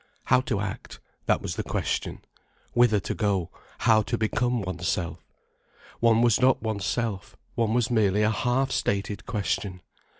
How to act, that was the question? Whither to go, how to become oneself? One was not oneself, one was merely a half stated question.